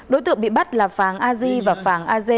đối tượng bị bắt là phàng a z và phàng a z